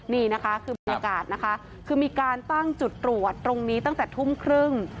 นี่คือบริยากาศมีการตั้งจุดตรวจตรงนี้ตั้งแต่ทุ่มครึ่ง